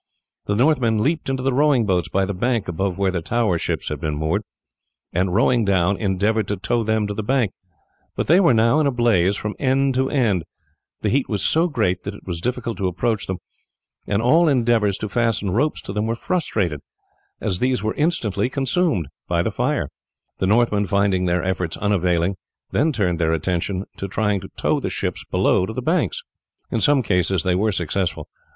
The Northmen leaped into the rowing boats by the bank above where the tower ships had been moored, and rowing down endeavoured to tow them to the bank; but they were now in a blaze from end to end, the heat was so great that it was difficult to approach them, and all endeavours to fasten ropes to them were frustrated, as these were instantly consumed. The Northmen, finding their efforts unavailing, then turned their attention to trying to tow the ships below to the banks. In some cases they were successful.